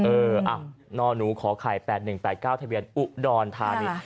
เอออ่ะนอนูขอข่าย๘๑๘๙ทะเบียนอุดอนทานิ